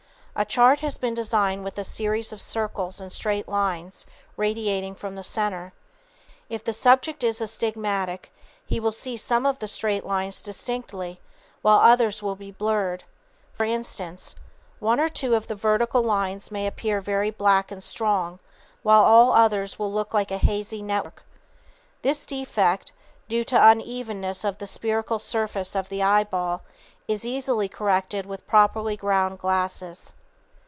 A chart has been designed with a series of circles and straight lines radiating from the center. If the subject is astigmatic he will see some of the straight lines distinctly while others will be blurred. For instance, one or two of the vertical lines may appear very black and strong while all others will look like a hazy network. This defect, due to unevenness of the spherical surface of the eyeball, is easily corrected with properly ground glasses.